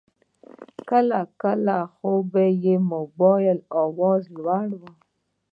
کله کله خو به یې د موبایل آواز لوړ و.